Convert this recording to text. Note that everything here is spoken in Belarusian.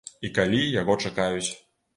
І калі яго чакаюць.